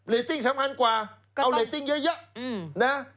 ติ้งสำคัญกว่าเอาเรตติ้งเยอะนะ